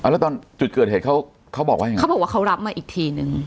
แล้วตอนจุดเกิดเหตุเขาเขาบอกว่ายังไงเขาบอกว่าเขารับมาอีกทีนึง